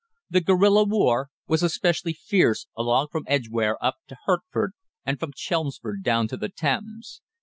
The guerilla war was especially fierce along from Edgware up to Hertford, and from Chelmsford down to the Thames.